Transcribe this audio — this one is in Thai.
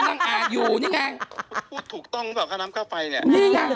พูดถูกต้องกับค่าน้ำค่าไฟเนี่ย